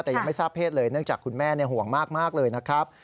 แต่ยังไม่ทราบเพศเลยเนื่องจากคุณแม่ห่วงมากเลยนะครับ